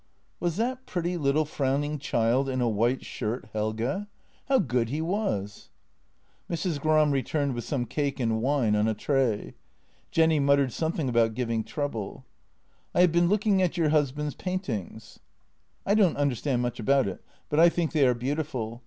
Was that pretty little frowning child in a white shirt Helge? How good he was! Mrs. Gram returned with some cake and wine on a tray. Jenny muttered something about giving trouble: " I have been looking at your husband's paintings." " I don't understand much about it, but I think they are beautiful.